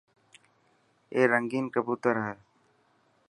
اي رنگين ڪبوتر هي.